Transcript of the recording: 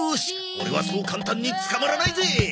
オレはそう簡単に捕まらないぜ！